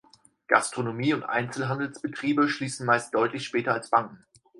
Gastronomie- und Einzelhandelsbetriebe schließen meist deutlich später als Banken.